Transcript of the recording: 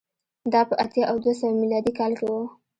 دا په اتیا او دوه سوه میلادي کال کې و